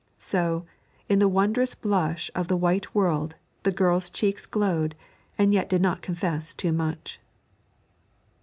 So, in the wondrous blush of the white world, the girl's cheeks glowed and yet did not confess too much.